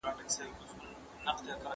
¬ بار چي خر نه وړي، نو په خپله به ئې وړې.